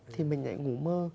thì mình lại ngủ mơ